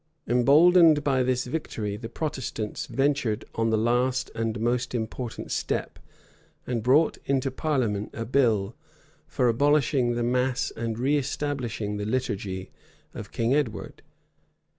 Emboldened by this victory, the Protestants ventured on the last and most important step, and brought into parliament a bill[*] for abolishing the mass and reestablishing the liturgy of King Edward.